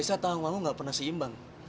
desa tanggung anggung gak pernah si imbang